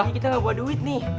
ini kita gak buat duit nih